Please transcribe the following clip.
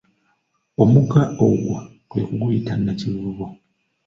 Omugga ogwo kwe kuguyita Nakivubo.